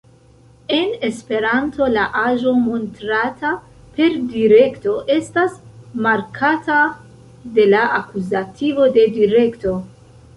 En esperanto, la aĵo montrata per direkto estas markata de la akuzativo de direkto.